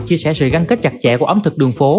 chia sẻ sự gắn kết chặt chẽ của ẩm thực đường phố